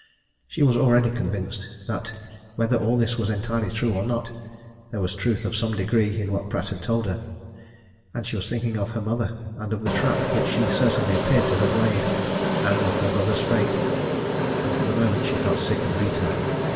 She was already convinced, that whether all this was entirely true or not, there was truth of some degree in what Pratt had told her. And she was thinking of her mother and of the trap which she certainly appeared to have laid and of her brother's fate and for the moment she felt sick and beaten.